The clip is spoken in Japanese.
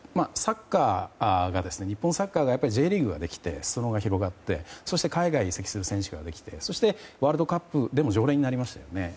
日本サッカーがＪリーグができて裾野が広がってそして海外に移籍する選手が出てきてそして、ワールドカップでも常連になりましたよね。